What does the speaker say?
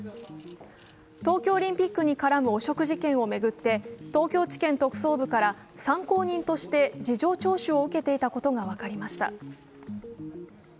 東京オリンピックに絡む汚職事件を巡って東京地検特捜部から参考人として事情聴取を受けていたことが分かりました。